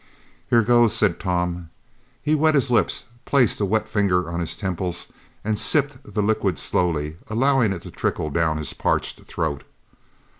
"Here goes," said Tom. He wet his lips, placed a wet finger on his temples and sipped the liquid slowly, allowing it to trickle down his parched throat.